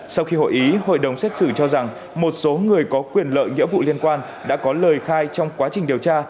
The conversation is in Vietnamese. sau khi hội ý hội đồng xét xử cho rằng một số người có quyền lợi nghĩa vụ liên quan đã có lời khai trong quá trình điều tra